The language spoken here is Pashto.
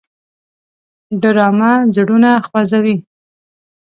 ډرامه زړونه خوځوي